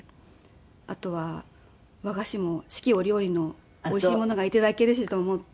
あとは和菓子も四季折々のおいしいものが頂けるしと思って。